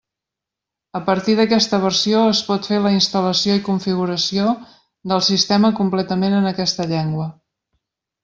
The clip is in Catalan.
A partir d'aquesta versió es pot fer la instal·lació i configuració del sistema completament en aquesta llengua.